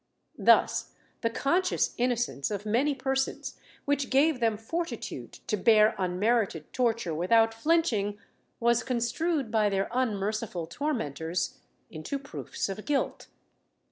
Thus the conscious innocence of many persons, which gave them fortitude to bear unmerited torture without flinching, was construed by their unmerciful tormentors into proofs of guilt.